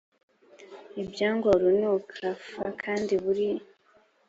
ibyangwa urunuka f kandi buri